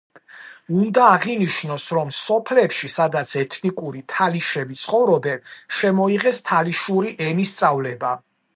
უნდა აღინიშნოს, რომ სოფლებში, სადაც ეთნიკური თალიშები ცხოვრობენ, შემოიღეს თალიშური ენის სწავლება.